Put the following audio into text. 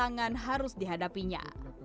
dan beberapa tantangan harus dihadapinya